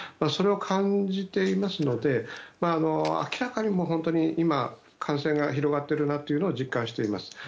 それを感じていますので明らかに今、感染が広がっているなというのを実感しています。